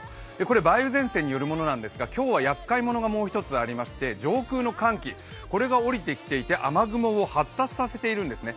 梅雨前線によるものなんですが今日はやっかいものがもう一つありまして、上空の寒気が下りてきていて雨雲を発達させているんですね。